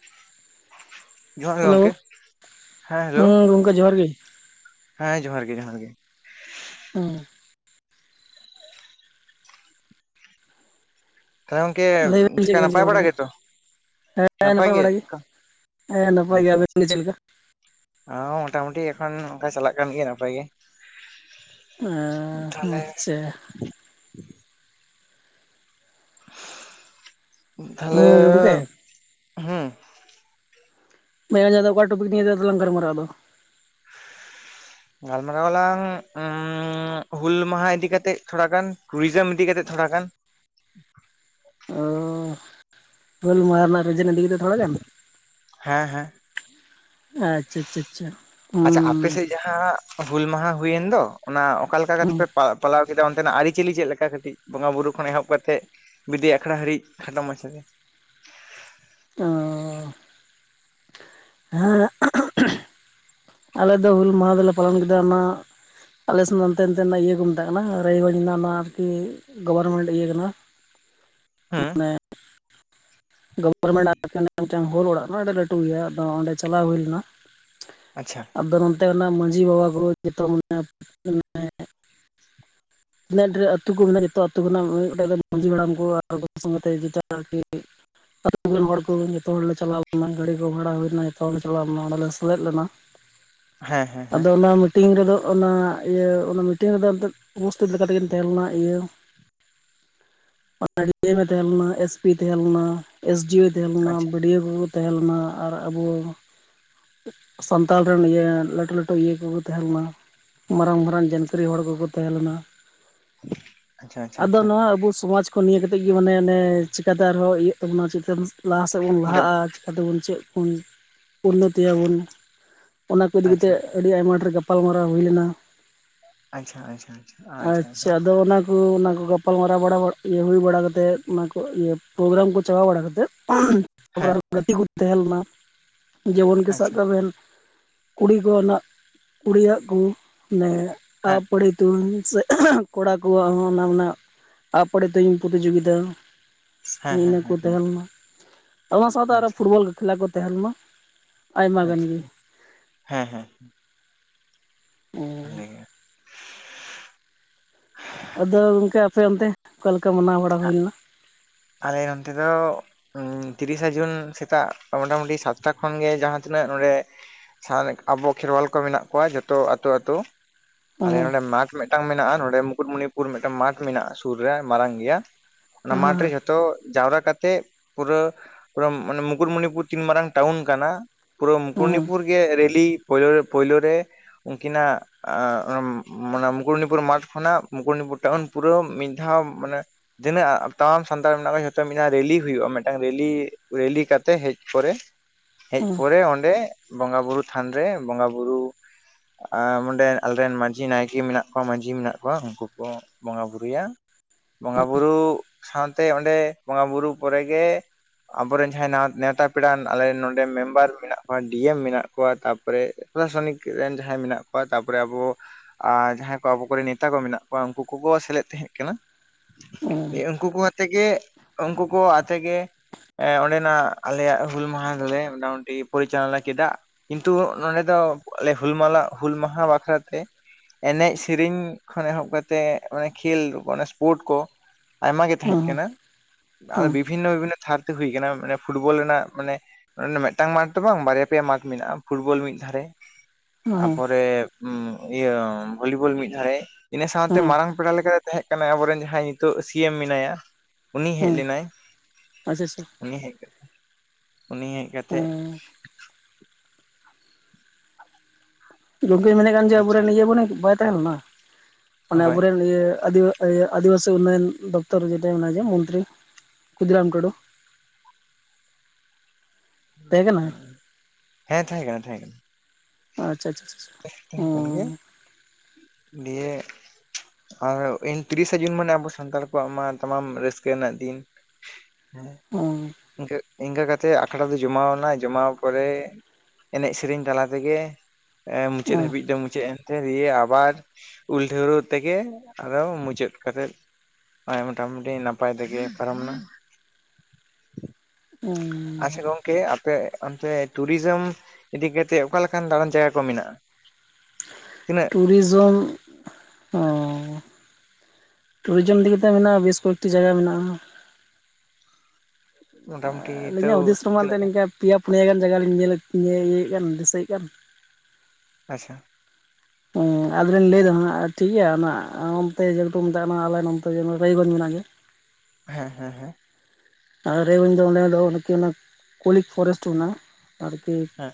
ᱻ ᱡᱚᱦᱟᱨ ᱜᱮ ᱦᱮᱞᱳ ᱜᱚᱢᱠᱮ ᱦᱮᱸ ᱦᱮᱞᱳ ᱜᱚᱝᱠᱮ ᱡᱚᱦᱟᱨ ᱜᱮ ᱦᱮᱸ ᱡᱚᱦᱟᱨ ᱜᱮ ᱡᱚᱦᱟᱨ ᱜᱮ ᱦᱮᱸ ᱛᱟᱦᱞᱮ ᱜᱚᱝᱠᱮ ᱞᱟᱹᱭ ᱵᱮᱱ ᱪᱮᱫᱠᱟ ᱪᱮᱫ ᱵᱮᱱ ᱱᱟᱯᱟᱭ ᱪᱤᱠᱟᱹ ᱵᱟᱲᱟ ᱵᱟᱲᱟᱭᱮᱫᱟ? ᱜᱮᱛᱚ ᱦᱮᱸ ᱱᱟᱯᱟᱭ ᱵᱟᱲᱟ ᱜᱮ ᱦᱮᱸ ᱱᱟᱯᱟᱭ ᱜᱮ ᱟᱵᱤᱱ ᱫᱚ ᱪᱮᱫ ᱞᱮᱠᱟ ᱚ ᱢᱳᱴᱟᱢᱩᱴᱤ ᱮᱠᱷᱚᱱ ᱚᱱᱠᱟ ᱪᱟᱞᱟᱜ ᱠᱟᱱ ᱜᱮᱭᱟ ᱱᱟᱯᱟᱭ ᱜᱮ ᱮ ᱛᱟᱦᱚᱞᱮ ᱟᱪᱪᱷᱟ ᱛᱟᱦᱚᱞᱮ ᱦᱮᱸ ᱜᱚᱝᱠᱮ ᱦᱮᱸ [unintelligible] ᱚᱠᱟ ᱴᱨᱚᱯᱤᱠ [unintelligible] ᱜᱟᱞᱢᱟᱨᱟᱜᱼᱟ ᱟᱫᱚ ᱜᱟᱞᱢᱟᱨᱟᱣ ᱟᱞᱟᱝ ᱦᱩᱞ ᱢᱟᱦᱟ ᱤᱫᱤ ᱠᱟᱛᱮᱜ ᱛᱷᱚᱲᱟ ᱜᱟᱱ ᱴᱩᱨᱤᱡᱚᱢ ᱤᱫᱤ ᱠᱟᱛᱮᱜ ᱛᱷᱚᱲᱟ ᱜᱟᱱ [unintelligible] ᱦᱩᱞ ᱢᱟᱦᱟ ᱨᱮᱱᱟᱜ [unintelligible] ᱛᱷᱚᱲᱟ ᱜᱟᱱ ᱦᱮᱸ ᱦᱮᱸ ᱟᱪᱪᱷᱟ ᱟᱪᱪᱷᱟ ᱟᱪᱪᱷᱟ ᱟᱯᱮ ᱩᱸ ᱥᱮᱫ ᱡᱟᱦᱟᱸ ᱦᱩᱞ ᱢᱟᱦᱟ ᱦᱩᱭᱮᱱ ᱫᱚ ᱚᱱᱟ ᱚᱠᱟ ᱞᱮᱠᱟ ᱠᱟᱛᱮ ᱯᱮ ᱯᱟ ᱯᱟᱞᱟᱣ ᱠᱮᱫᱟ ᱚᱱᱛᱮᱱᱟᱜ ᱟᱹᱨᱤ ᱪᱤᱞᱤ ᱪᱮᱫ ᱞᱮᱠᱟ ᱠᱟᱹᱴᱤᱡ ᱵᱚᱸᱜᱟ ᱵᱩᱨᱩ ᱠᱷᱚᱱ ᱮᱦᱚᱵ ᱠᱟᱛᱮ ᱵᱤᱫᱟᱹᱭ ᱟᱠᱷᱲᱟ ᱦᱟᱹᱨᱤᱡ ᱠᱷᱟᱴᱚ ᱢᱟᱪᱷᱟ ᱛᱮ ᱚ ᱟᱻ ᱟᱞᱮ ᱫᱚ ᱦᱩᱞ ᱢᱟᱦᱟ ᱫᱚᱞᱮ ᱯᱟᱞᱚᱱ ᱠᱮᱫᱟ ᱚᱱᱟ ᱟᱞᱮ ᱥᱮᱫ ᱫᱚ ᱤᱭᱟᱹ ᱠᱚ ᱢᱮᱛᱟᱜ ᱠᱟᱱᱟ ᱨᱟᱭᱜᱚᱸᱡᱽ ᱟᱨᱠᱤ ᱜᱚᱵᱷᱚᱨᱢᱮᱱᱴ ᱤᱭᱟᱹ ᱠᱟᱱᱟ ᱦᱮᱸ [unintelligible] ᱜᱚᱵᱷᱚᱨᱢᱮᱱᱴ [unintelligible] ᱦᱚᱞ ᱚᱲᱟᱜ [unintelligible] ᱞᱟᱹᱴᱩ ᱜᱮᱭᱟ ᱟᱫᱚ ᱚᱸᱰᱮ ᱪᱟᱞᱟᱣ ᱦᱩᱭ ᱞᱮᱱᱟ ᱟᱪᱪᱷᱟ ᱟᱫᱚ ᱚᱱᱛᱮ ᱚᱱᱟ ᱢᱟᱹᱡᱷᱤ ᱵᱟᱵᱟ ᱠᱚ [unintelligible] [unintelligible] ᱛᱤᱱᱟᱹᱜ ᱰᱷᱮᱨ ᱟᱹᱛᱩ ᱠᱚ ᱢᱮᱱᱟᱜᱼᱟ ᱡᱚᱛᱚ ᱟᱹᱛᱩ [unintelligible] ᱢᱟᱺᱡᱷᱤ ᱦᱟᱲᱟᱢ ᱠᱚ [unintelligible] ᱟᱨ ᱵᱟᱠᱤ ᱥᱚᱢᱚᱭ ᱛᱮ ᱤᱫᱤ ᱛᱟᱨᱟ ᱠᱚ [unintelligible] ᱡᱚᱛᱚ ᱦᱚᱲᱞᱮ ᱪᱟᱞᱟᱣ ᱞᱮᱱᱟ ᱜᱟᱹᱰᱤ ᱠᱚ ᱵᱷᱟᱲᱟ ᱦᱩᱭ ᱞᱮᱱᱟ ᱡᱚᱛᱚ ᱦᱚᱲᱞᱮ ᱪᱟᱞᱟᱣ ᱞᱮᱱᱟ ᱚᱸᱰᱮᱞᱮ ᱥᱮᱞᱮᱫ ᱞᱮᱱᱟ ᱦᱮᱸ ᱦᱮᱸ ᱦᱮᱸ ᱟᱫᱚ ᱚᱱᱟ ᱢᱤᱴᱤᱝ ᱨᱮᱫᱚ ᱚᱱᱟ ᱤᱭᱟᱹ ᱚᱱᱟ ᱢᱤᱴᱤᱝ ᱨᱮᱫᱚ ᱩᱯᱟᱥᱛᱤᱛ ᱞᱮᱠᱟ ᱛᱮᱜᱮᱞᱤᱧ ᱛᱟᱦᱮᱸ ᱞᱮᱱᱟ ᱤᱭᱟᱹ [inaudible] ᱛᱟᱦᱮᱸ ᱞᱮᱱᱟ ᱮᱥᱯᱤ ᱛᱟᱦᱮᱸ ᱞᱮᱱᱟ ᱮᱥᱰᱤᱳ ᱛᱟᱦᱮᱸ ᱞᱮᱱᱟ ᱟᱪᱪᱷᱟ ᱵᱤᱰᱤᱭᱳ ᱛᱟᱦᱮᱸ ᱞᱮᱱᱟ ᱟᱨ ᱟᱵᱚ ᱥᱟᱱᱛᱟᱲ ᱨᱮᱱ ᱤᱭᱟᱹ ᱞᱟᱹᱴᱩ ᱞᱟᱹᱴᱩ ᱤᱭᱟᱹ ᱠᱚᱠᱚ ᱛᱟᱦᱮᱸ ᱞᱮᱱᱟ ᱢᱟᱨᱟᱝ ᱢᱟᱨᱟᱝ [unintelligible] ᱦᱚᱲ ᱠᱚᱠᱚ ᱛᱟᱦᱮᱸ ᱞᱮᱱᱟ ᱟᱪᱪᱷᱟ ᱟᱪᱪᱷᱟ ᱟᱫᱚ ᱟᱪᱪᱷᱟ ᱱᱚᱣᱟ ᱟᱵᱚ ᱥᱚᱢᱟᱡ ᱠᱚ ᱱᱤᱭᱟᱹ ᱠᱟᱛᱮ ᱜᱮ ᱢᱟᱱᱮ ᱚᱱᱮ ᱪᱮᱠᱟᱛᱮ ᱟᱨᱦᱚᱸ ᱤᱭᱟᱹ ᱚᱱᱟ ᱪᱤᱠᱟᱹᱱ [unintelligible] ᱞᱟᱦᱟ ᱥᱮᱫ ᱵᱚᱱ ᱰᱟᱹᱵ ᱞᱟᱦᱟᱜᱼᱟ ᱪᱤᱠᱟᱹ ᱛᱮᱵᱚᱱ ᱪᱮᱫ ᱩᱱ ᱩᱱᱱᱚᱛᱤᱭᱟᱵᱚᱱ ᱚᱱᱟ ᱠᱚ ᱤᱫᱤ ᱠᱟᱛᱮ ᱟᱪᱪᱷᱟ ᱟᱹᱰᱤ ᱟᱭᱢᱟ ᱰᱷᱮᱨ ᱜᱟᱯᱟᱞᱢᱟᱨᱟᱣ ᱦᱩᱭ ᱞᱮᱱᱟ ᱟᱪᱪᱷᱟ ᱟᱪᱪᱷᱟ ᱟᱪᱪᱷᱟ ᱟᱪᱪᱷᱟ ᱜᱟᱯᱟᱞ ᱢᱟᱨᱟᱣ ᱵᱟᱲᱟ ᱤᱭᱟᱹ ᱦᱩᱭ ᱵᱟᱲᱟ ᱠᱟᱛᱮᱫ ᱚᱱᱟ ᱠᱚ ᱤᱭᱟᱹ ᱯᱨᱳᱜᱨᱟᱢ ᱠᱚ ᱪᱟᱵᱟ ᱵᱟᱲᱟᱛᱮᱫ [unintelligible] ᱦᱮᱸ ᱜᱟᱛᱮ ᱠᱚ ᱛᱟᱦᱮᱸ ᱞᱮᱱᱟ ᱡᱮᱢᱚᱱ ᱠᱤ ᱥᱟᱵ ᱟᱪᱪᱷᱟ ᱠᱟᱜ ᱵᱮᱱ ᱠᱩᱲᱤ ᱠᱚᱱᱟᱜ ᱠᱩᱲᱤᱭᱟᱜ ᱠᱩ ᱦᱮᱸ ᱟᱯᱟᱲᱤ ᱛᱩᱧ ᱥᱮ ᱠᱚᱲᱟ ᱠᱚᱣᱟᱜ ᱦᱚᱸ ᱚᱱᱟ ᱨᱮᱱᱟᱜ ᱟᱯᱟᱲᱤ ᱛᱩᱧ ᱯᱨᱚᱛᱤᱡᱳᱜᱤᱛᱟ ᱦᱮᱸ ᱦᱮᱸ ᱤᱱᱟᱹ ᱦᱮᱸ ᱠᱚ ᱦᱮᱸ ᱛᱟᱦᱮᱸ ᱞᱮᱱᱟ ᱚᱱᱟ ᱥᱟᱶᱛᱮ ᱟᱨ ᱦᱚᱸ ᱟᱪᱪᱷᱟ ᱯᱷᱩᱴᱵᱚᱞ ᱠᱷᱮᱞᱟ ᱠᱚ ᱛᱟᱦᱮᱸ ᱞᱮᱱᱟ ᱟᱭᱢᱟ ᱜᱟᱱ ᱟᱪᱪᱷᱟ ᱜᱮ ᱦᱮᱸ ᱦᱮᱸ ᱵᱷᱟᱞᱮ ᱚ ᱜᱮ ᱟᱫᱚ ᱜᱚᱢᱠᱮ ᱟᱯᱮ ᱚᱱᱛᱮ ᱚᱠᱟ ᱞᱮᱠᱟ ᱢᱟᱱᱟᱣ ᱵᱟᱲᱟ ᱦᱩᱭ ᱟ- ᱞᱮᱱᱟ ᱟᱞᱮ ᱚᱱᱚᱛᱮ ᱫᱚ ᱛᱤᱨᱤᱥᱟ ᱡᱩᱱ ᱥᱮᱛᱟᱜ ᱢᱚᱴᱟᱢᱩᱴᱤ ᱥᱟᱛᱴᱟ ᱠᱷᱚᱱᱜᱮ ᱡᱟᱦᱟᱸᱛᱤᱱᱟᱹᱜ ᱱᱚᱰᱮ ᱥᱟᱵᱷᱟᱵᱤᱠ ᱟᱵᱚ ᱠᱷᱮᱨᱣᱟᱞ ᱠᱚ ᱢᱮᱱᱟᱜ ᱠᱚᱣᱟ ᱡᱷᱚᱛᱚ ᱟᱹᱛᱩ ᱟᱹᱛᱩ ᱟᱞᱮ ᱱᱚᱰᱮ ᱢᱟᱜ ᱢᱤᱫᱴᱟᱝ ᱢᱮᱱᱟᱜᱼᱟ ᱱᱚᱰᱮ ᱢᱩᱠᱩᱴᱢᱩᱱᱤᱯᱩᱨ ᱢᱤᱫᱴᱟᱝ ᱢᱟᱴᱷᱚ ᱢᱮᱱᱟᱜᱼᱟ ᱥᱩᱨ ᱨᱮ ᱢᱟᱨᱟᱝ ᱜᱮᱭᱟ ᱚᱱᱟ ᱢᱟᱴ ᱨᱮ ᱡᱷᱚᱛᱚ ᱡᱟᱣᱨᱟ ᱠᱟᱛᱮ ᱯᱩᱨᱟᱹ ᱢᱩᱠᱩᱴᱢᱩᱱᱤᱯᱩᱨ ᱛᱤᱱ ᱢᱟᱨᱟᱝ ᱴᱟᱣᱩᱱ ᱠᱟᱱᱟ ᱯᱩᱨᱟᱹ ᱢᱩᱠᱩᱴᱢᱩᱱᱤᱯᱩᱨ ᱜᱮ ᱨᱮᱞᱤ ᱯᱩᱭᱞᱳ ᱨᱮ ᱯᱩᱭᱞᱳ ᱨᱮ ᱩᱱᱠᱤᱱᱟᱜ ᱢᱩᱠᱩᱴᱢᱩᱱᱤᱯᱩᱨ ᱢᱟᱴᱷ ᱠᱷᱚᱱᱟᱜ ᱢᱩᱠᱩᱴᱢᱩᱱᱤᱯᱩᱨ ᱴᱟᱣᱩᱱ ᱯᱩᱨᱟᱹ ᱢᱤᱫ ᱫᱷᱟᱣ ᱢᱟᱱᱮ ᱛᱤᱱᱟᱹᱜ ᱥᱟᱱᱛᱟᱲ ᱢᱮᱱᱟᱜ ᱠᱚᱣᱟ ᱡᱷᱚᱛᱚ ᱢᱤᱫᱴᱟᱝ ᱨᱮᱞᱤ ᱦᱩᱭᱩᱜᱼᱟ ᱢᱤᱫᱴᱟᱝ ᱨᱮᱞᱤ ᱨᱮᱞᱤ ᱠᱟᱛᱮ ᱦᱮᱡ ᱯᱚᱨᱮ ᱦᱮᱡ ᱯᱚᱨᱮ ᱚᱰᱮ ᱵᱚᱸᱜᱟ ᱵᱩᱨᱩ ᱛᱷᱟᱱᱨᱮ ᱵᱚᱸᱜᱟ ᱵᱩᱨᱩ ᱟᱨ ᱚᱸᱰᱮ ᱟᱞᱮᱨᱮᱱ ᱢᱟᱹᱡᱷᱤ ᱱᱟᱭᱠᱮ ᱢᱮᱱᱟᱜ ᱠᱚᱣᱟ ᱢᱟᱹᱡᱷᱤ ᱢᱮᱱᱟᱜ ᱠᱚᱣᱟ ᱩᱱᱠᱩ ᱠᱚ ᱵᱚᱸᱜᱟ ᱵᱩᱨᱩᱭᱟ ᱵᱚᱸᱜᱟ ᱵᱩᱨᱩ ᱥᱟᱶᱛᱮ ᱚᱸᱰᱮ ᱵᱚᱸᱜᱟ ᱵᱩᱨᱩ ᱯᱚᱨᱮᱜᱮ ᱟᱵᱚᱨᱮᱱ ᱡᱟᱦᱟᱸᱭ ᱱᱮᱣᱛᱟ ᱯᱮᱲᱟ ᱟᱞᱮ ᱱᱚᱰᱮ ᱢᱮᱢᱵᱟᱨ ᱢᱮᱱᱟᱜ ᱠᱚᱣᱟ ᱰᱤ ᱮᱢ ᱢᱮᱱᱟᱜ ᱠᱚᱣᱟ ᱛᱟᱨᱯᱚᱨᱮ ᱯᱨᱚᱥᱟᱥᱚᱱᱤᱠ ᱨᱮᱱ ᱡᱟᱦᱟᱸᱭ ᱢᱮᱱᱟᱜ ᱠᱚᱣᱟ ᱛᱟᱯᱚᱨᱮ ᱟᱵᱚ ᱡᱟᱦᱟᱸᱭ ᱠᱚ ᱟᱵᱚ ᱠᱚᱨᱮᱱ ᱱᱮᱛᱟ ᱠᱚ ᱢᱮᱱᱟᱜ ᱠᱚᱣᱟ ᱩᱱᱠᱩ ᱠᱚ ᱥᱮᱞᱮᱫ ᱛᱟᱦᱮᱸ ᱠᱟᱱᱟ ᱩᱱᱠᱩ ᱠᱚ ᱟᱛᱮ ᱜᱮ ᱩᱱᱠᱩ ᱠᱚ ᱟᱛᱮ ᱜᱮ ᱚᱸᱰᱮᱱᱟᱜ ᱟᱞᱮᱭᱟᱜ ᱦᱩᱞ ᱢᱟᱦᱟ ᱫᱚᱞᱮ ᱢᱚᱴᱟᱢᱩᱴᱤ ᱯᱚᱨᱤᱪᱟᱞᱚᱱᱟ ᱠᱮᱫᱟ ᱠᱤᱱᱛᱩ ᱱᱚᱸᱰᱮ ᱫᱚ ᱟᱞᱮ ᱦᱩᱞᱢᱟ ᱦᱩᱞ ᱢᱟᱦᱟ ᱵᱟᱠᱷᱨᱟᱛᱮ ᱮᱱᱮᱡ ᱥᱮᱨᱮᱧ ᱠᱷᱚᱱ ᱮᱦᱚᱵ ᱠᱟᱛᱮᱫ ᱠᱷᱮᱞ ᱥᱯᱳᱨᱴ ᱠᱚ ᱟᱭᱢᱟ ᱟᱨ ᱵᱤᱵᱷᱤᱱᱚ ᱵᱤᱵᱷᱤᱱᱚ ᱛᱷᱟᱨ ᱛᱮ ᱦᱩᱭ ᱟᱠᱟᱱᱟ ᱢᱟᱱᱮ ᱯᱷᱩᱴᱵᱚᱞ ᱨᱮᱱᱟᱜ ᱢᱟᱱᱮ ᱢᱤᱫᱴᱟᱝ ᱢᱟᱨᱴᱷ ᱫᱚ ᱵᱟᱝ ᱵᱟᱨᱭᱟ ᱯᱮᱭᱟ ᱢᱟᱨᱠᱷ ᱢᱮᱱᱟᱜᱼᱟ ᱯᱷᱩᱴᱵᱚᱞ ᱢᱤᱫ ᱢᱤᱫ ᱫᱷᱟᱨᱮ ᱛᱟᱯᱚᱨᱮ ᱤᱭᱟᱹ ᱵᱷᱚᱞᱤᱵᱚᱞ ᱢᱤᱫ ᱫᱷᱟᱨᱮ ᱤᱱᱟᱹ ᱥᱟᱶᱛᱮ ᱢᱟᱨᱟᱝ ᱯᱮᱲᱟ ᱞᱮᱠᱟ ᱛᱟᱦᱮᱸ ᱠᱟᱱᱟ ᱟᱵᱚᱨᱮᱱ ᱡᱟᱦᱟᱸᱭ ᱱᱤᱛᱚᱜ ᱥᱤ ᱮᱢ ᱢᱮᱱᱟᱭᱟ ᱩᱱᱤ ᱦᱮᱡ ᱞᱮᱱᱟᱭ ᱟᱪᱪᱷᱟ ᱟᱪᱪᱷᱟ ᱩᱱᱤ ᱦᱮᱡ ᱞᱮ ᱩᱱᱤ ᱦᱮᱡ ᱠᱟᱛᱮᱫ ᱜᱚᱝᱠᱮ ᱢᱮᱱᱮᱫ ᱠᱟᱱ ᱡᱮ ᱟᱪᱪᱷᱟ ᱟᱵᱚᱨᱮᱱ ᱤᱭᱟᱹ ᱢᱚᱱᱮ ᱵᱟᱭ ᱛᱟᱦᱮᱸ ᱞᱮᱱᱟ ᱢᱟᱱᱮ ᱦᱳᱭ ᱟᱵᱚᱨᱮᱱ ᱤᱭᱟᱹ ᱟᱫᱤᱵᱟᱥᱤ ᱟᱫᱤᱵᱟᱥᱤ ᱩᱱᱱᱚᱭᱚᱱ ᱫᱚᱯᱛᱚᱨᱮᱴ ᱢᱮ ᱢᱚᱱᱛᱨᱤ ᱠᱷᱩᱫᱤᱨᱟᱢ ᱴᱩᱰᱩ [inaudible] ᱛᱟᱦᱮᱸ ᱠᱟᱱᱟᱭ ᱦᱮᱸ ᱛᱟᱦᱮᱸ ᱠᱟᱱᱟ ᱛᱟᱦᱮᱸ ᱠᱟᱱᱟ ᱟᱪᱪᱷᱟ ᱟᱪᱪᱷᱟ ᱟᱪᱪᱷᱟ ᱪ ᱛᱟᱦᱮᱸ ᱠᱟᱱ ᱜᱮ ᱫᱤᱭᱮ ᱟᱨᱧ ᱛᱤᱨᱤᱥᱟ ᱡᱩᱱ ᱢᱟᱱᱮ ᱟᱵᱚ ᱥᱟᱱᱛᱟᱲ ᱠᱚᱣᱟᱜ ᱢᱟ ᱛᱟᱢᱟᱢ ᱨᱟᱹᱥᱠᱟᱹ ᱨᱮᱱᱟᱜ ᱫᱤᱱ ᱦᱮᱸ ᱚ [inaudible] ᱤᱱᱠᱟᱹ ᱠᱟᱛᱮᱮᱫ ᱟᱠᱷᱲᱟ ᱫᱚ ᱡᱚᱢᱟᱣᱱᱟ ᱡᱚᱢᱟᱣ ᱯᱚᱨᱮ ᱮᱱᱮᱡ ᱥᱮᱨᱮᱧ ᱛᱟᱞᱟ ᱛᱮᱜᱮ ᱮ ᱢᱩᱪᱟᱹᱫ ᱦᱟᱹᱵᱤᱡ ᱫᱚ ᱢᱩᱪᱟᱹᱫ ᱮ ᱫᱤᱭᱮ ᱟᱵᱟᱨ ᱩᱞ ᱰᱷᱟᱹᱣᱨᱟᱹᱜ ᱛᱮᱜᱮ ᱟᱫᱚ ᱢᱩᱪᱟᱹᱫ ᱠᱟᱛᱮᱜ ᱱᱚ ᱢᱳᱴᱟᱢᱩᱴᱤ ᱱᱟᱯᱟᱭ ᱛᱮᱜᱮ ᱯᱟᱨᱚᱢ ᱱᱟ [unintelligible] ᱟᱯᱮ ᱚᱱᱛᱮ ᱴᱩᱨᱤᱡᱚᱢ ᱤᱫᱤ ᱠᱟᱛᱮ ᱚᱠᱟᱞᱮᱠᱟᱱ ᱫᱟᱬᱟᱱ ᱡᱟᱭᱜᱟ ᱠᱚ ᱢᱮᱱᱟᱜᱼᱟ ᱛᱤᱱᱟᱹᱜ ᱴᱩᱨᱤᱡᱚᱢ ᱦᱚᱸ ᱴᱩᱨᱤᱡᱚᱢ ᱤᱫᱤᱛᱮ ᱢᱮᱱᱟᱜᱼᱟ ᱵᱮᱥ ᱠᱚᱭᱮᱠᱴᱤ ᱡᱟᱭᱜᱟ ᱢᱮᱱᱟᱜᱼᱟ ᱢᱚᱴᱟᱢᱩᱴᱤ ᱛᱟᱹᱣ ᱟᱹᱞᱤᱧᱟᱜ ᱦᱩᱫᱤᱥ ᱨᱮᱢᱟ ᱛᱤᱱᱟᱹᱜ ᱱᱤᱝᱠᱟ ᱯᱮᱭᱟᱯᱷ ᱱᱤᱭᱟᱹᱟᱹᱜᱟᱱ ᱡᱟᱭᱜᱟ ᱞᱤᱧ ᱧᱮᱞ ᱤᱭᱟᱹᱭᱮᱫ ᱠᱟᱱ ᱫᱤᱥᱟᱹᱭᱮᱫ ᱠᱟᱱ ᱟᱪᱪᱷᱟ ᱦᱮᱸ ᱟᱫᱚᱞᱤᱧ ᱞᱟᱹᱭᱫᱟ ᱦᱟᱸᱜ ᱴᱷᱤᱠ ᱜᱮᱭᱟ ᱚᱱᱟ ᱱᱚᱱᱛᱮ ᱡᱮ ᱢᱮᱛᱟᱜ ᱠᱟᱱᱟ ᱟᱞ ᱨᱟᱭᱜᱚᱸᱡᱽ ᱢᱮᱱᱟᱜᱼᱟ [inaudible] ᱦᱮᱸ ᱦᱮᱸ ᱦᱮᱸ ᱟᱨ ᱤᱧ ᱫᱚ ᱚᱸᱰᱮ ᱫᱚ ᱚᱱᱟ ᱠᱚᱞᱤᱠ ᱯᱷᱚᱨᱮᱥᱴ ᱢᱮᱱᱟᱜᱼᱟ [unintelligible] ᱟᱨ ᱠᱤ ᱦᱮᱸ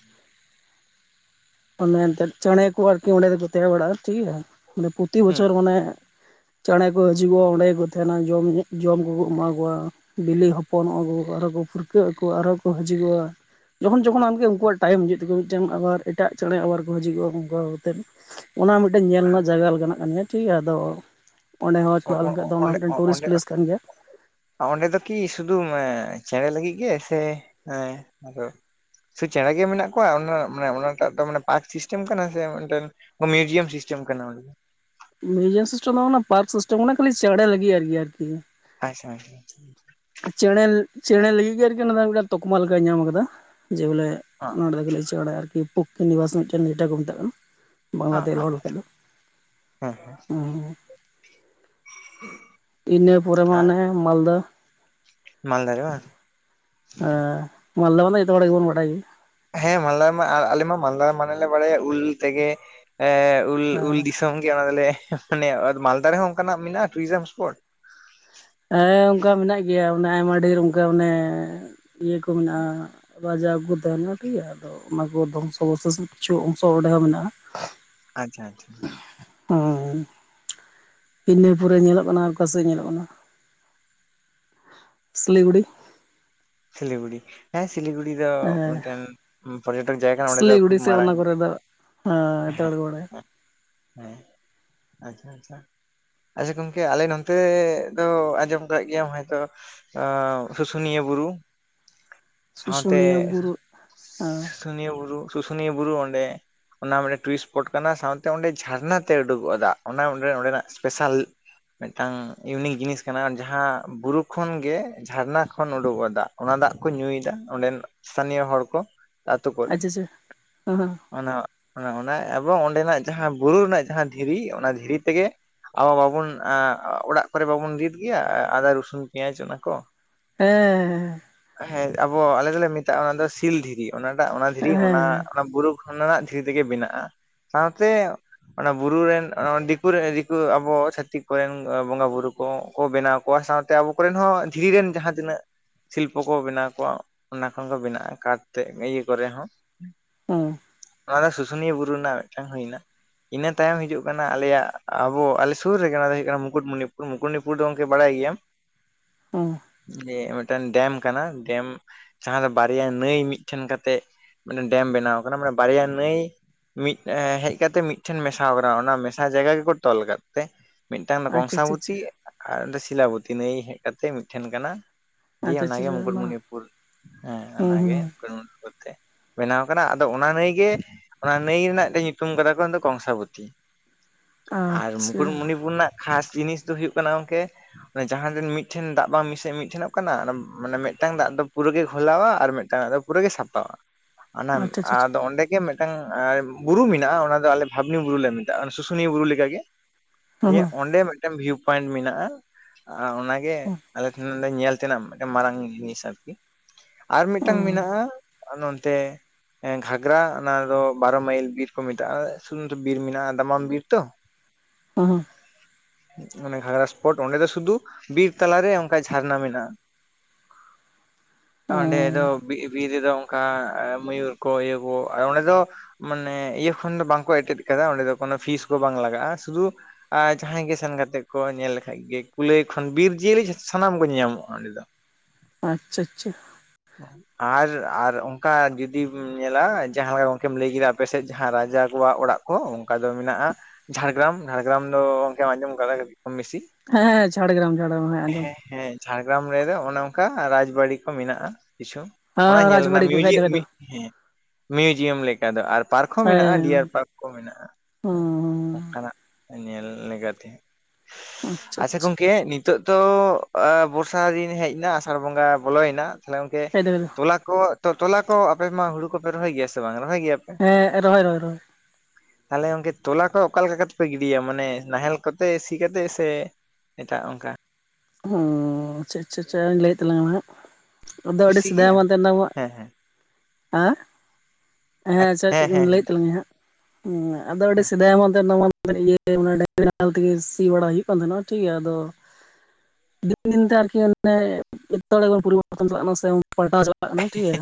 ᱮ ᱮᱱᱛᱮᱫ ᱪᱮᱬᱮ ᱠᱚ ᱟᱨᱠᱤ ᱚᱸᱰᱮ ᱫᱚᱠᱚ ᱛᱟᱦᱮᱸ ᱵᱟᱲᱟᱜᱼᱟ ᱴᱷᱤᱠᱜᱮᱭᱟ ᱢᱟᱱᱮ ᱯᱨᱚᱛᱤ ᱦᱩᱸ ᱵᱚᱪᱷᱚᱨ ᱢᱟᱱᱮ ᱪᱮᱬᱮ ᱠᱚ ᱦᱤᱡᱩᱜᱚᱜᱼᱟ ᱚᱸᱰᱮ ᱜᱮᱠᱚ ᱛᱟᱦᱮᱱᱟ ᱡᱚᱢ ᱡᱚᱢ ᱠᱚᱠᱚ ᱮᱢᱟ ᱠᱚᱣᱟ ᱵᱤᱞᱤ ᱦᱚᱯᱚᱱᱚᱜᱼᱟ ᱠᱚ ᱟᱨᱚᱸ ᱠᱚ ᱯᱷᱩᱨᱠᱟᱹᱜ ᱟᱠᱚ ᱟᱨᱦᱚᱸ ᱠᱚ ᱦᱤᱡᱩᱜᱚᱜᱼᱟ ᱡᱚᱠᱷᱚᱱ ᱡᱚᱠᱷᱚᱱ ᱟᱢᱜᱮ ᱩᱱᱠᱩᱣᱟᱜ ᱴᱟᱭᱤᱢ ᱦᱤᱡᱩᱜ ᱛᱟᱠᱚ ᱢᱤᱫᱴᱮᱱ ᱟᱵᱟᱨ ᱮᱴᱟᱜ ᱪᱮᱬᱮ ᱟᱵᱟᱨ ᱠᱚ ᱦᱤᱡᱩᱜᱚᱜᱼᱟ ᱚᱱᱠᱟ ᱠᱟ ᱠᱟᱛᱮᱮᱫ ᱚᱱᱟ ᱢᱤᱫᱴᱮᱱ ᱧᱮᱞ ᱨᱮᱱᱟᱜ ᱡᱟᱭᱜᱟ ᱞᱮᱠᱟᱱᱟᱜ ᱠᱟᱱ ᱜᱮᱭᱟ ᱴᱷᱤᱠ ᱜᱮᱭᱟ ᱟᱫᱚ ᱚᱱᱰᱮ ᱦᱚᱸ ᱪᱟᱞᱟᱣ ᱞᱮᱱᱠᱷᱟᱱ ᱫᱚ ᱚᱱᱟ ᱚᱸᱰᱮ ᱢᱤᱫᱴᱮᱱ ᱴᱩᱨᱤᱥᱴ ᱚᱸᱰᱮ ᱯᱞᱮᱥ ᱠᱟᱱ ᱜᱮᱭᱟ ᱚᱸᱰᱮ ᱫᱚ ᱠᱤ ᱥᱩᱫᱩ ᱪᱮᱬᱮ ᱞᱟᱹᱜᱤᱫ ᱜᱮ ᱥᱮ ᱦᱮ ᱟᱨ ᱦᱚᱸ ᱥᱮ ᱪᱮᱬᱮ ᱜᱮ ᱢᱮᱱᱟᱜ ᱠᱚᱣᱟ ᱚᱱᱟ ᱢᱟᱱᱮ ᱚᱱᱟᱴᱟᱜ ᱫᱚ ᱢᱟᱱᱮ ᱯᱟᱨᱠ ᱥᱤᱥᱴᱮᱢ ᱠᱟᱱᱟ ᱥᱮ ᱢᱤᱫᱴᱮᱱ ᱢᱤᱭᱩᱡᱤᱭᱟᱢ ᱥᱤᱥᱴᱮᱢ ᱪᱢ ᱠᱟᱱᱟ [unintelligible] ᱢᱤᱭᱩᱡᱤᱭᱟᱢ ᱥᱤᱥᱴᱮᱢ ᱫᱚ ᱯᱟᱨᱠ ᱥᱤᱥᱴᱮᱢ ᱠᱟᱱᱟ ᱠᱷᱟᱹᱞᱤ ᱪᱮᱬᱮ ᱞᱟᱹᱜᱤᱫ ᱟᱨᱠᱤ ᱟᱨᱠᱤ ᱟᱪᱪᱷᱟᱪ ᱪᱮᱬᱮ ᱪᱮᱬᱮ ᱞᱟᱹᱜᱤᱫ ᱜᱮ ᱟᱨᱠᱤ ᱚᱱᱟ ᱢᱤᱫᱴᱟᱝ ᱛᱚᱠᱢᱟ ᱞᱮᱠᱟᱭ ᱧᱟᱢ ᱠᱟᱫᱟ ᱡᱮ ᱵᱚᱞᱮ ᱱᱚᱸᱰᱮ ᱫᱚ ᱪᱮᱬᱮ ᱟᱨᱠᱤ ᱯᱚᱠᱤ ᱱᱤᱵᱟᱥ ᱢᱤᱫᱴᱮᱱ ᱱᱮᱴᱟ ᱠᱚ ᱢᱮᱛᱟᱜ ᱠᱟᱱᱟ ᱵᱟᱝᱞᱟᱛᱮ ᱨᱚᱲ ᱠᱟᱱᱟ ᱦᱮᱸ ᱤᱱᱟᱹ ᱯᱚᱨᱮ ᱟᱨ ᱢᱟᱱᱮ ᱢᱟᱞᱫᱟ ᱢᱟᱞᱫᱟ ᱨᱮ ᱵᱟᱝ ᱢᱟᱞᱫᱟ ᱵᱟᱝ ᱫᱚ ᱡᱚᱛᱚ ᱦᱚᱲ ᱜᱮᱵᱚᱱ ᱵᱟᱰᱟᱭ ᱜᱮᱭᱟ ᱦᱮᱸ ᱢᱟᱞᱫᱟ ᱢᱟ ᱟᱨ ᱟᱞᱮ ᱢᱟ ᱢᱟᱞᱫᱟ ᱢᱟᱱᱮᱞ ᱞᱮ ᱵᱟᱲᱟᱭᱟ ᱩᱞ ᱛᱮᱜᱮ ᱩᱞ ᱜᱮᱭᱟ ᱩᱞ ᱫᱤᱥᱚᱢ ᱜᱮ ᱚᱱᱟ ᱞᱮ ᱢᱟᱱᱮ ᱢᱟᱞᱫᱟ ᱨᱮᱦᱚᱸ ᱚᱱᱠᱟᱱᱟᱜ ᱢᱮᱱᱟᱜᱼᱟ ᱴᱩᱨᱤᱡᱚᱢ ᱥᱯᱚᱴ ᱦᱮᱸ ᱚᱱᱠᱟ ᱢᱮᱱᱟᱜ ᱜᱮᱭᱟ ᱚᱱᱮ ᱟᱭᱢᱟ ᱰᱷᱮᱨ ᱚᱱᱠᱟ ᱚᱱᱮ ᱤᱭᱟᱹ ᱠᱚ ᱢᱮᱱᱟᱜᱼᱟ ᱡᱟᱣ ᱠᱚ ᱛᱟᱦᱮᱸᱱᱟ ᱴᱷᱤᱠ ᱜᱮᱭᱟ ᱟᱫᱚ ᱚᱱᱟ ᱠᱚ ᱫᱷᱚᱝᱥ ᱵᱚᱨᱚᱥ ᱠᱤᱪᱷᱩ ᱚᱝᱥᱚ ᱚᱸᱰᱮ ᱦᱚᱸ ᱢᱮᱱᱟᱜᱼᱟ ᱟᱪᱪᱷᱟ ᱟᱪᱪᱷᱟ ᱦᱮ ᱤᱱᱟᱹ ᱯᱚᱨᱮ ᱧᱮᱞᱚᱜ ᱠᱟᱱᱟ ᱚᱠᱟ ᱥᱮᱫ ᱧᱮᱞᱚᱜ ᱠᱟᱱᱟ ᱥᱤᱞᱤᱜᱩᱲᱤ ᱥᱤᱞᱤᱜᱩᱲᱤ ᱦᱮᱸ ᱥᱤᱞᱤᱜᱩᱲᱤ ᱫᱚ ᱦᱮᱸ ᱢᱤᱫᱴᱮᱱ ᱯᱚᱨᱡᱚᱴᱚᱠ ᱡᱟᱭᱜᱟ ᱠᱟᱱᱟ ᱚᱸᱰᱮ ᱫᱚ ᱠᱷᱩᱵ ᱢᱟᱨᱟᱝ [unintelligible] ᱦ ᱮ ᱦᱮᱸ ᱛᱲᱲ ᱦᱮᱸ [unintelligible] ᱟᱪᱪᱷᱟ ᱟᱪᱪᱷᱟ ᱜᱚᱝᱠᱮ ᱟᱞᱮ ᱱᱚᱛᱮ ᱫᱚ ᱟᱸᱡᱚᱢ ᱠᱫ ᱜᱮᱭᱟ ᱦᱚᱭᱛᱚ ᱥᱩᱥᱩᱱᱤᱭᱟᱹ ᱵᱩᱨᱩ ᱥᱟᱶᱛᱮ ᱥᱩᱥᱩᱱᱤᱭᱟᱹ ᱵᱩᱨᱩ ᱦᱮᱸ ᱥᱩᱥᱩᱱᱤᱭᱟᱹ ᱵᱩᱨᱩ ᱥᱩᱥᱩᱱᱤᱭᱟᱹ ᱵᱩᱨᱩ ᱚᱸᱰᱮ ᱚᱱᱟ ᱢᱤᱫᱴᱮᱱ ᱴᱩᱨᱤᱥᱴ ᱥᱯᱚᱴ ᱠᱟᱱᱟ ᱥᱟᱶᱛᱮ ᱚᱸᱰᱮ ᱡᱷᱟᱨᱱᱟ ᱛᱮ ᱩᱰᱩᱠᱚᱜ ᱫᱟᱜ ᱚᱱᱟ ᱚᱸᱰᱮ ᱚᱸᱰᱮᱱᱟᱜ ᱮᱯᱮᱥᱟᱞ ᱢᱤᱫᱴᱟᱝ ᱤᱭᱩᱱᱤᱠ ᱡᱤᱱᱤᱥ ᱠᱟᱱᱟ ᱡᱟᱦᱟᱸ ᱵᱩᱨᱩ ᱠᱷᱚᱱᱜᱮ ᱡᱷᱟᱨᱱᱟ ᱠᱷᱚᱱ ᱩᱰᱩᱠᱩ-ᱟ ᱫᱟᱜ ᱚᱱᱟ ᱫᱟᱜ ᱠᱚ ᱧᱩᱭᱮᱫᱟ ᱚᱸᱰᱮᱱ ᱥᱛᱷᱟᱱᱤᱭᱟᱹ ᱦᱚᱲ ᱠᱚ ᱟᱹᱛᱩ ᱠᱚᱨᱮ ᱟᱪᱪᱷᱟ ᱟᱪᱪᱷᱟ ᱚᱱᱟ ᱱ ᱚᱱᱟ ᱮᱵᱚᱝ ᱚᱸᱰᱮᱱᱟᱜ ᱡᱟᱦᱟᱸ ᱵᱩᱨᱩ ᱨᱮᱱᱟᱜ ᱡᱟᱦᱟᱸ ᱫᱷᱤᱨᱤ ᱚᱱᱟ ᱫᱷᱤᱨᱤ ᱛᱮᱜᱮ ᱟᱵᱚ ᱵᱟᱵᱚᱱ ᱚᱲᱟᱜ ᱠᱚᱨᱮ ᱵᱟᱵᱚᱱ ᱨᱤᱫ ᱜᱮᱭᱟ ᱟᱫᱟ ᱨᱚᱥᱩᱱ ᱯᱮᱸᱭᱟᱡ ᱚᱱᱟ ᱠᱚ ᱦᱮᱸ ᱦᱮᱸ ᱟᱵᱚ ᱟᱞᱮ ᱫᱚᱞᱮ ᱢᱮᱛᱟᱜᱼᱟ ᱚᱱᱟ ᱫᱚ ᱥᱤᱞ ᱫᱷᱤᱨᱤ ᱚᱱᱟᱴᱟᱜ ᱚᱱᱟ ᱦᱮᱸ ᱫᱷᱤᱨᱤ ᱦᱮᱸ ᱚᱱᱟ ᱵᱩᱨᱩ ᱚᱱᱟ ᱨᱮᱱᱟᱜ ᱫᱷᱤᱨᱤ ᱛᱮᱜᱮ ᱵᱮᱱᱟᱜᱼᱟ ᱥᱟᱶᱛᱮ ᱚᱱᱟ ᱵᱩᱨᱩ ᱨᱮᱱ ᱫᱤᱠᱩᱨ ᱨᱮᱱ ᱫᱤᱠᱩ ᱟᱵᱚ ᱪᱷᱷᱟᱛᱤᱠ ᱠᱚᱨᱮᱱ ᱵᱚᱸᱜᱟ ᱵᱩᱨᱩ ᱠᱚᱠᱚ ᱵᱮᱱᱟᱣ ᱠᱚᱣᱟ ᱥᱟᱶᱛᱮ ᱟᱵᱚ ᱠᱚᱨᱮᱱ ᱦᱚᱸ ᱫᱷᱤᱨᱤ ᱨᱮᱱ ᱡᱟᱦᱟᱸ ᱛᱤᱱᱟᱹᱜ ᱥᱤᱞᱯᱚ ᱠᱚ ᱵᱮᱱᱟᱣ ᱠᱚᱣᱟ ᱚᱱᱟ ᱠᱷᱚᱱ ᱫᱚ ᱵᱮᱱᱟᱜᱼᱟ ᱠᱟᱴ ᱛᱮ ᱤᱭᱟᱹ ᱠᱚᱨᱮ ᱦᱚᱸ ᱦᱸ ᱱᱚᱣᱟ ᱫᱚ ᱥᱩᱥᱩᱱᱤᱭᱟᱹ ᱵᱩᱨᱩ ᱨᱮᱱᱟᱜ ᱢᱤᱫᱴᱟᱝ ᱦᱩᱭᱱᱟ ᱤᱱᱟᱹ ᱛᱟᱭᱚᱢ ᱦᱤᱡᱩᱜ ᱠᱟᱱᱟ ᱟᱞᱮᱭᱟᱜ ᱟᱵᱚ ᱟᱞᱮ ᱥᱩᱨ ᱨᱮᱜᱮ ᱚᱱᱟ ᱫᱚ ᱦᱩᱭᱩᱜ ᱠᱟᱱᱟ ᱢᱩᱠᱩᱴᱢᱩᱱᱤᱯᱩᱨ ᱢᱩᱠᱩᱴᱢᱩᱱᱤᱯᱩᱨ ᱫᱚ ᱜᱚᱢᱠᱮ ᱵᱟᱲᱟᱭ ᱦᱮᱸ [unintelligible] ᱢᱤᱫᱴᱮᱱ ᱰᱮᱢ ᱠᱟᱱᱟ ᱰᱮᱢ ᱡᱟᱦᱟᱸ ᱫᱚ ᱵᱟᱨᱭᱟ ᱱᱟᱹᱭ ᱢᱤᱫᱴᱷᱮᱱ ᱠᱟᱛᱮᱜ ᱢᱟᱱᱮ ᱰᱮᱢ ᱵᱮᱱᱟᱣ ᱟᱠᱟᱱᱟ ᱢᱟᱱᱮ ᱵᱲᱭᱟ ᱱᱟᱟᱹᱭ ᱢᱤᱫ ᱦᱮᱡ ᱠᱟᱛᱮᱜ ᱢᱤᱫ ᱴᱷᱮᱱ ᱢᱮᱥᱟᱨᱟ ᱚᱱᱟ ᱢᱮᱥᱟ ᱡᱟᱭᱜᱟ ᱜᱮᱠᱚ ᱛᱚᱞ ᱠᱟᱜ ᱛᱮ ᱢᱤᱫᱴᱟᱝ ᱟᱪᱪᱷᱟ ᱠᱚᱝᱥᱟᱵᱚᱛᱤ ᱟᱪᱪᱷᱟ ᱟᱨ ᱚᱸ ᱥᱤᱞᱟᱵᱚᱛᱤ ᱱᱟᱹᱭ ᱦᱮᱡ ᱠᱟᱛᱮ ᱢᱤᱫᱴᱷᱮᱱ ᱠᱟᱱᱟ ᱟᱪᱪᱷᱟ ᱫᱤᱭᱮ ᱟᱪᱪᱷᱟ ᱟᱪᱪᱷᱟ ᱚᱱᱟᱜᱮ ᱚᱱᱟ ᱢᱩᱠᱩᱴᱢᱩᱱᱤᱯᱩᱨ ᱦᱮᱸ ᱦᱩᱸ ᱚᱱᱟᱜᱮ ᱦᱩᱸ ᱢᱩᱠᱩᱴᱢᱩᱱᱤᱯᱩᱨ ᱛᱮ ᱵᱮᱱᱟᱣ ᱠᱟᱱᱟ ᱟᱫᱚ ᱚᱱᱟ ᱱᱟᱹᱭ ᱜᱮ ᱚᱱᱟ ᱱᱟᱹᱭ ᱨᱮᱱᱟᱜᱴ ᱧᱩᱛᱩᱢ ᱠᱟᱫᱟ ᱠᱚ ᱫᱚ ᱠᱚᱝᱥᱟᱵᱚᱛᱤ ᱟᱨ ᱟᱪᱪᱷᱟ ᱢᱩᱠᱩᱴᱢᱩᱱᱤᱯᱩᱨ ᱨᱮᱱᱟᱜ ᱠᱷᱟᱥ ᱡᱤᱱᱤᱥ ᱫᱚ ᱦᱩᱭᱩᱜᱳᱜ ᱠᱟᱱᱟ ᱜᱚᱢᱠᱮ ᱡᱟᱦᱟᱸᱤᱱ ᱢᱤᱫᱴᱷᱮᱱ ᱫᱟᱜ ᱵᱟᱝ ᱢᱤᱥᱟᱭ ᱢᱤᱫᱴᱷᱮᱱ ᱠᱟᱱᱟ ᱢᱟᱱᱮ ᱢᱤᱫᱴᱟᱝ ᱫᱟᱜ ᱫᱚ ᱯᱩᱨᱟᱹ ᱜᱮ ᱠᱷᱷᱚᱞᱟᱣᱟ ᱟᱨ ᱢᱤᱫᱴᱟᱝ ᱫᱟᱜ ᱫᱚ ᱯᱩᱨᱟᱹᱮ ᱥᱟᱯᱟᱟᱜᱼᱟ ᱚᱱᱟ ᱟᱪᱪᱷᱟ ᱟᱪᱪᱷᱟ ᱟᱫᱚ ᱚᱸᱰᱮ ᱜᱮ ᱢᱤᱫᱴᱟᱝ ᱵᱩᱨᱩ ᱢᱮᱱᱟᱜᱼᱟ ᱚᱱᱟ ᱫᱚ ᱟᱞᱮ ᱵᱷᱟᱵᱽᱱᱤ ᱵᱩᱨᱩ ᱞᱮ ᱢᱮᱛᱟᱜᱼᱟ ᱥᱩᱥᱩᱱᱤᱭᱟᱹ ᱵᱩᱨᱩ ᱞᱮᱠᱟᱜᱮ ᱡᱮ ᱦᱩᱸ ᱚᱸᱰᱮ ᱢᱤᱫᱴᱮᱱ ᱵᱷᱤᱭᱩ ᱯᱚᱭᱮᱱᱴ ᱢᱮᱱᱟᱜᱼᱟ ᱚᱱᱟᱜᱮ ᱦᱩᱸ ᱟᱞᱮ ᱴᱷᱮᱱ ᱞᱮ ᱧᱮᱞ ᱚᱛᱱᱟᱜ ᱢᱤᱫᱴᱟᱝ ᱢᱟᱨᱟᱝ ᱡᱤᱱᱤᱥ ᱟᱨᱠᱤ ᱟᱨ ᱢᱤᱫᱴᱟᱝ ᱦᱩᱸ ᱢᱮᱱᱟᱜᱼᱟ ᱱᱚᱱᱛᱮ ᱜᱷᱟᱜᱽᱨᱟ ᱚᱱᱟ ᱫᱚ ᱵᱟᱨᱚ ᱢᱟᱭᱤᱞ ᱵᱤᱨ ᱠᱚ ᱢᱮᱛᱟᱜᱼᱟ ᱥᱩᱫᱷᱩᱛᱚ ᱵᱤᱨ ᱢᱮᱱᱟᱜᱼᱟ ᱫᱟᱢᱟᱢ ᱵᱤᱨ ᱛᱚ ᱦᱩᱸ ᱢᱟᱱᱮ ᱜᱷᱟᱜᱽᱨᱟ ᱥᱯᱚᱴ ᱚᱸᱰᱮ ᱫᱚ ᱥᱩᱫᱷᱩ ᱵᱤᱨ ᱛᱟᱞᱟᱨᱮ ᱚᱱᱠᱟ ᱡᱷᱟᱨᱱᱟ ᱢᱮᱱᱟᱜᱼᱟ ᱦᱩᱸ ᱛᱰᱮ ᱫᱚᱚᱢ ᱚᱱᱠᱟ ᱢᱚᱭᱩᱨ ᱠᱚ ᱤᱭᱟᱹ ᱠᱚ ᱚᱸᱰᱮ ᱫᱚ ᱢᱟᱱᱮ ᱤᱭᱟᱹ ᱠᱷᱚᱱ ᱫᱚ ᱵᱟᱝᱠᱚ ᱮᱴᱮᱫ ᱟᱠᱟᱫᱟ ᱚᱸᱰᱮ ᱫᱚ ᱯᱷᱤᱥ ᱠᱚ ᱵᱟᱝ ᱞᱟᱜᱟᱜᱼᱟ ᱥᱩᱫᱩ ᱡᱟᱦᱟᱸᱭ ᱜᱮ ᱥᱮᱱ ᱠᱟᱛᱮ ᱠᱚ ᱧᱮᱞ ᱞᱮᱠᱷᱟᱱ ᱜᱮ ᱠᱩᱞᱟᱹᱭ ᱠᱷᱚᱱ ᱵᱤᱨ ᱡᱤᱭᱟᱹᱞᱤ ᱡᱤᱭᱟᱹᱞᱤ ᱥᱟᱱᱟᱢ ᱠᱚ ᱧᱟᱢᱚᱜᱼᱟ ᱚᱸᱰᱮ ᱫᱚ ᱟᱪᱪᱷᱟ ᱟᱪᱪᱷᱟ ᱟᱨ ᱟᱨ ᱚᱱᱠᱟ ᱡᱚᱫᱤᱢ ᱧᱮᱞᱟ ᱨᱟᱡᱟ ᱠᱚᱣᱟᱜ ᱚᱲᱟᱜ ᱠᱚ ᱚᱱᱠᱟ ᱫᱚ ᱢᱮᱱᱟᱜᱼᱟ ᱡᱷᱟᱲᱜᱨᱟᱢ ᱡᱷᱟᱲᱜᱨᱟᱢ ᱫᱚ ᱚᱱᱠᱮᱢ ᱟᱸᱡᱚᱢ ᱟᱠᱟᱫᱟ ᱠᱚᱢ ᱵᱤᱥᱤ ᱦᱮᱸ ᱡᱷᱟᱲᱜᱨᱟᱢ ᱡᱷᱟᱲᱜᱨᱟᱢ ᱦᱮᱸ ᱟᱸᱡᱚᱢ ᱡᱷᱟᱲᱜᱨᱟᱢ ᱨᱮᱫᱚ ᱚᱱᱮ ᱚᱱᱠᱟ ᱨᱟᱡᱽ ᱵᱟᱲᱤ ᱠᱚ ᱢᱮᱱᱟᱜᱼᱟ ᱠᱤᱪᱷᱩ ᱚᱱᱟ ᱦᱮᱸ ᱧᱮᱞ ᱨᱮᱱᱟᱜ ᱨᱟᱡᱽᱵᱟᱲᱤ ᱠᱚ ᱠᱷᱟᱡ ᱢᱤᱭᱩᱡᱤᱠ ᱫᱚ ᱠᱷᱟᱡ ᱫᱚ ᱢᱤᱫ ᱦᱮᱸ ᱢᱤᱭᱩᱡᱤᱭᱟᱢ ᱞᱮᱠᱟ ᱫᱚ ᱟᱨ ᱯᱟᱨᱠ ᱦᱚᱸ ᱢᱮᱱᱟᱜᱼᱟ ᱦᱮᱸ ᱰᱤᱭᱟᱨ ᱯᱟᱨᱠ ᱦᱚᱸ ᱢᱮᱱᱟᱜᱼᱟ ᱦᱩᱸ ᱚᱱᱠᱟᱱᱟᱜ ᱧᱮᱞ ᱞᱮᱠᱟᱛᱮ ᱟᱪᱪᱷᱟ ᱜᱚᱝᱠᱮ ᱛᱚ ᱫᱚ ᱵᱚᱨᱥᱟ ᱫᱤᱱ ᱦᱮᱡ ᱮᱱᱟ ᱟᱥᱟᱲ ᱵᱚᱸᱜᱟ ᱵᱚᱞᱚᱭᱮᱱᱟ ᱛᱟᱦᱚᱞᱮ ᱜᱚᱝᱠᱮ ᱠᱷᱟᱡ ᱫᱚ ᱛᱚᱞᱟ ᱠᱚ ᱛᱚᱞᱟ ᱠᱚ ᱟᱯᱮ ᱢᱟ ᱦᱩᱲᱩ ᱠᱚᱯᱮ ᱨᱚᱦᱚᱭ ᱜᱮᱭᱟ ᱥᱮ ᱵᱟᱝ ᱨᱚᱦᱚᱭ ᱜᱮᱭᱟᱯᱮ? ᱦᱮᱸ ᱨᱚᱦᱚᱭ ᱨᱚᱦᱚᱭ ᱨᱚᱦᱚᱭ ᱛᱟᱦᱚᱞᱮ ᱜᱚᱝᱠᱮ ᱛᱚᱞᱟ ᱠᱚ ᱚᱠᱟ ᱞᱮᱠᱟ ᱠᱟᱛᱮᱫ ᱯᱮ ᱜᱤᱰᱤᱭᱟ ᱢᱟᱱᱮ ᱱᱟᱦᱮᱞ ᱠᱚᱛᱮ ᱥᱤ ᱠᱟᱛᱮᱜ ᱥᱮ ᱮᱴᱟᱜ ᱚᱱᱠᱟ ᱚ ᱪᱮᱫ ᱪᱮᱫ ᱪᱷᱟᱧ ᱞᱟᱹᱭᱮᱫ ᱛᱟᱞᱟᱝᱟ ᱦᱟᱸᱜ ᱟᱫᱚ ᱟᱹᱰᱤ ᱥᱤ ᱜᱮᱭᱟ ᱥᱮᱫᱷᱟᱭᱟᱢ ᱛᱟᱦᱮ ᱱᱟᱢᱚᱜ ᱦᱮᱸ ᱦᱮᱸ ᱦᱮ ᱦᱮᱸ ᱟᱪᱷᱟ ᱦᱮᱸ ᱦᱮᱸ ᱞᱟᱹᱭᱮᱫ ᱛᱟᱞᱟᱝ ᱤᱧᱟ ᱦᱟᱸᱜ ᱟᱫᱚ ᱟᱹᱰᱤ ᱥᱮᱫᱟᱭ ᱤᱭᱟᱹ ᱰᱟᱝᱨᱤ ᱱᱟᱦᱮᱞ ᱛᱮᱜᱮ ᱥᱤ ᱵᱟᱲᱟ ᱦᱩᱭᱩᱜ ᱠᱟᱱ ᱛᱟᱦᱮᱱᱚᱜ ᱟ ᱴᱷᱤᱠ ᱜᱮᱭᱟ ᱟᱫᱚ ᱫᱤᱱ ᱫᱤᱱ ᱛᱮ ᱟᱨᱠᱤ ᱚᱱᱮ ᱮᱛᱚᱲ ᱯᱚᱨᱤᱵᱚᱨᱛᱚᱱ ᱪᱟᱞᱟᱜ ᱠᱟᱱᱟ ᱥᱮ ᱯᱟᱞᱴᱟ ᱪᱟᱞᱟᱜ ᱠᱟᱱᱟ ᱴᱷᱤᱠᱭᱟ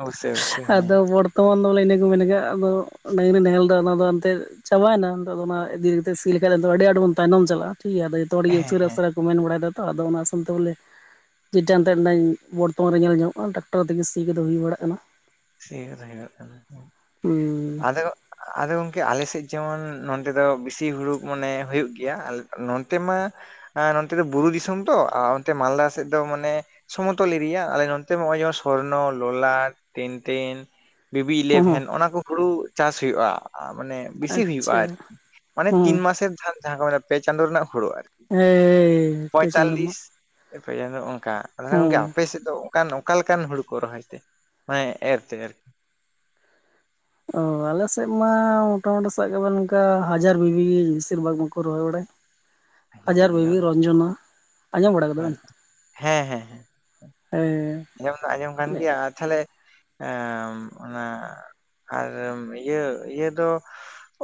ᱚᱵᱚᱥᱥᱳᱭ ᱚᱵᱚᱥᱥᱳᱭ ᱦᱮᱸ ᱟᱫᱚ ᱵᱚᱨᱛᱚᱢᱟᱱ ᱚᱞ ᱤᱱᱟᱹ ᱠᱚ ᱢᱮᱱ ᱟᱫᱚ ᱱᱟ ᱱᱟᱦᱮᱞ ᱮᱫᱟ ᱚᱱᱟᱛᱮ ᱪᱟᱵᱟᱭᱮᱱᱟ ᱚᱱᱟ ᱤᱫᱤ ᱠᱟᱛᱮ ᱥᱤ ᱞᱮᱠᱷᱟᱡ ᱟᱫᱚ ᱟᱹᱰᱤ ᱟᱴ ᱵᱚᱱ ᱛᱟᱭᱱᱚᱢ ᱪᱟᱞᱟᱜᱼᱟ ᱴᱷᱤᱠ ᱜᱮᱭᱟ ᱟᱫᱚ ᱡᱚᱛᱚ ᱦᱚᱲ ᱜᱮ ᱦᱮᱸ ᱦᱮᱸ ᱩᱥᱟᱹᱨᱟᱥᱟᱹᱨᱟ ᱠᱚ ᱢᱮᱱ ᱵᱟᱲᱟᱭ ᱫᱟ ᱛᱚ ᱟᱫᱚ ᱚᱱᱟ ᱥᱟᱶᱛᱮ ᱵᱚᱞᱮ ᱡᱮᱴᱟᱛᱮ ᱵᱚᱨᱛᱚᱢᱟᱱ ᱨᱮ ᱧᱮᱞ ᱧᱟᱢᱚᱜᱼᱟ ᱴᱟᱠᱴᱟᱨ ᱛᱮᱜᱮ ᱥᱤ ᱦᱩᱭ ᱵᱟᱲᱟᱜ ᱠᱟᱱᱟ ᱦᱩᱭᱩᱜ ᱠᱟᱱᱟ ᱦᱩᱸ ᱟᱫᱚ ᱟᱫᱚ ᱜᱚᱝᱠᱮ ᱟᱞᱮ ᱥᱮᱫ ᱡᱮᱢᱚᱱ ᱱᱚᱱ ᱛᱮ ᱫᱚ ᱵᱮᱥᱤ ᱦᱩᱲᱩ ᱢᱟᱱᱮ ᱦ ᱦᱩᱭᱩᱜ ᱜᱮᱭᱟ ᱱᱚᱱ ᱢᱟ ᱱᱚᱱᱛᱮ ᱫᱚ ᱵᱩᱨᱩ ᱫᱤᱥᱚᱢ ᱛᱚ ᱟᱨ ᱚᱱᱛᱮ ᱢᱟᱞᱫᱟ ᱥᱮᱫ ᱫᱚ ᱢᱟᱱᱮ ᱥᱚᱢᱚᱛᱚᱞ ᱮᱨᱤᱭᱟ ᱟᱞᱮ ᱱᱚᱛ ᱱᱚᱜᱚᱭ ᱡᱮᱢᱚᱱ ᱥᱚᱨᱱᱚ ᱞᱚᱞᱟᱴ ᱛᱤᱱ ᱛᱤᱱ ᱵᱤᱵᱤ ᱦᱚᱸ ᱦᱚᱸ ᱤᱞᱮᱵᱷᱮᱱ ᱚᱱᱟ ᱠᱚ ᱦᱩᱲᱩ ᱪᱟᱥ ᱦᱩᱭᱩᱜᱼᱟ ᱢᱟᱱᱮ ᱵᱮᱥᱤ ᱦᱩᱭᱩᱜᱼᱟ ᱟᱪᱪᱷᱟ ᱟᱨᱠᱤ ᱢᱟᱱᱮ ᱦᱮᱸ ᱛᱤᱱ ᱢᱟᱥᱮᱨ ᱡᱟᱦᱟᱸ ᱡᱟᱦᱟᱸ ᱠᱚ ᱢᱮ ᱯᱮ ᱪᱟᱸᱫᱳ ᱨᱮᱱᱟᱜ ᱦᱳᱲᱳ ᱟᱨᱠᱤ ᱦᱮᱭ ᱯᱮ ᱪᱟᱸᱫᱳ ᱯᱚᱭᱭᱛᱟᱞᱞᱤᱥ ᱨᱮᱱᱟᱜ ᱯᱮ ᱪᱟᱸᱫᱚ ᱱᱚᱝᱠᱟ ᱜᱚᱝᱠᱮ ᱦᱮᱸ ᱟᱯᱮ ᱥᱮᱫ ᱫᱚ ᱚᱱᱠᱟᱱ ᱚᱠᱟ ᱞᱮᱠᱟᱱ ᱦᱩᱲᱩ ᱠᱚ ᱨᱚᱦᱚᱭ ᱛᱮ ᱦᱮᱸ ᱮᱨᱛᱮ ᱟᱨᱠᱤ ᱚ ᱟᱞᱮ ᱥᱮᱫ ᱢᱟ ᱢᱚᱴᱟᱢᱩᱴᱤ ᱥᱟᱵ ᱠᱟᱜ ᱢᱮ ᱚᱱᱠᱟ ᱦᱟᱡᱟᱨ ᱵᱤᱵᱤ ᱵᱤᱥᱤᱨ ᱵᱷᱟᱜᱽ ᱵᱟᱠᱚ ᱨᱚᱦᱚᱭ ᱵᱟᱲᱟᱭᱟ ᱦᱟᱡᱟᱨ ᱵᱤᱵᱤ ᱨᱚᱱᱡᱚᱱᱟ ᱦ ᱦᱮᱸ ᱦᱮᱸ ᱦᱮᱸ ᱦᱮᱸ ᱟᱸᱡᱚᱢ ᱫᱚ ᱟᱸᱡᱚᱢ ᱠᱟᱱ ᱜᱮᱭᱟ ᱟᱨ ᱛᱟᱦᱚᱞᱮ ᱚᱱᱟ ᱟᱨ ᱤᱭᱟᱹ ᱤᱭᱟᱹ ᱫᱚ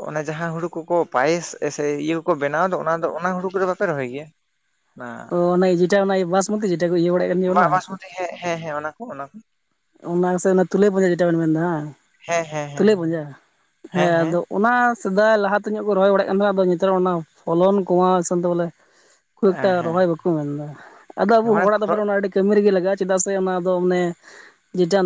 ᱚᱱᱮ ᱡᱟᱦᱟᱸ ᱦᱩᱲᱩ ᱠᱚᱠᱚ ᱯᱟᱭᱮᱥ ᱤᱭᱟᱹ ᱠᱚᱠᱚ ᱵᱮ ᱵᱮᱱᱟᱣ ᱚᱱᱟ ᱫᱚ ᱚᱱᱟ ᱦᱩᱲᱩ ᱠᱚᱫᱚ ᱵᱟᱯᱮ ᱨᱚᱦᱚᱭ ᱜᱮᱭᱟ ᱚᱱᱟ ᱚ ᱡᱮᱴᱟ ᱵᱟᱥ ᱢᱩᱛᱤ ᱡᱤ ᱵᱟ ᱵᱟᱥᱢᱚᱛᱤᱡᱤ ᱦᱮᱸ ᱦᱮᱸ ᱚᱱᱟ ᱠᱚ ᱚᱱᱟ ᱠᱚ ᱚᱱᱟ ᱥᱮ ᱚᱱᱟ ᱛᱩᱞᱟᱹᱭ ᱯᱧᱡᱟ ᱡᱮᱴᱟ ᱵᱮᱱ ᱢᱮᱱᱫᱟ ᱦᱮᱸ ᱦᱮᱸ ᱦᱮᱸ ᱛᱩᱞᱟᱹ ᱯᱟᱸᱡᱟ ᱦᱮᱸ ᱟᱫᱚ ᱚᱱᱟ ᱥᱮᱫᱟᱭ ᱞᱟᱦᱟᱛᱮ ᱧᱚᱜ ᱠᱚ ᱨᱚᱦᱚᱭ ᱵᱟᱲᱟᱭ ᱠᱟᱱ ᱛᱟᱦᱮᱱᱟ ᱟᱫᱚ ᱱᱮᱛᱟᱨ ᱚᱱᱟ ᱯᱷᱚᱞᱚᱱ ᱠᱚᱢᱟᱣ ᱥᱮᱚᱱᱛᱮ ᱵᱚᱞᱮ ᱠᱷᱩᱵ ᱮᱠᱴᱟ ᱦᱮᱸ ᱨᱚᱦᱚᱭ ᱵᱟᱠᱚ ᱢᱮᱱᱫᱟ ᱟᱫᱚ ᱟᱵᱚ ᱦᱮᱸ ᱢᱟᱱᱮ ᱦᱚᱲᱟᱜ ᱛᱮ ᱚᱱᱟ ᱟᱹᱰᱤ ᱠᱟᱹᱢᱤ ᱨᱮᱜᱮ ᱞᱟᱹᱠ ᱪᱮᱫᱟᱜ ᱥᱮ ᱚᱱᱟ ᱫᱚ ᱚᱱᱮ ᱡᱮᱴᱟ